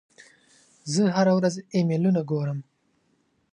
زه هره ورځ ایمیلونه ګورم.